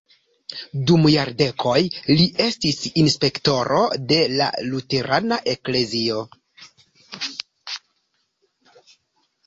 Dum jardekoj li estis inspektoro de la luterana eklezio.